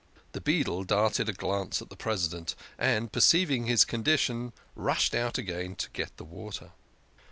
" The beadle darted a glance at the President, and, per ceiving his condition, rushed out again to get the water.